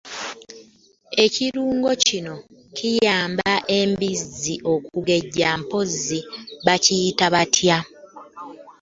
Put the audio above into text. Ekirungo kino ekiyamba embizzi okugejja mpozzi bakiyita batya?